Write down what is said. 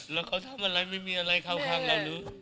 แล้วเขาทำอะไรไม่มีอะไรเข้าข้างเรารู้